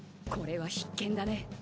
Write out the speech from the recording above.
これは必見だね。